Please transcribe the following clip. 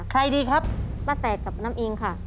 ใครดีครับป้าแตดกับน้ำอิงค่ะ